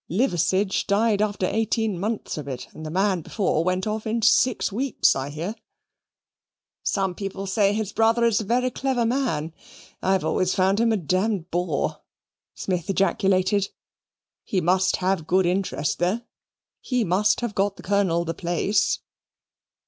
Liverseege died after eighteen months of it, and the man before went off in six weeks, I hear." "Some people say his brother is a very clever man. I always found him a d bore," Smith ejaculated. "He must have good interest, though. He must have got the Colonel the place."